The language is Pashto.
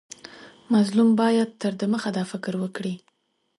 مظلوم باید تر دمخه دا فکر وکړي.